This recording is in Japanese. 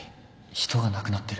人が亡くなってる